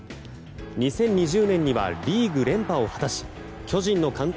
２０２０年にはリーグ連覇を果たし巨人の監督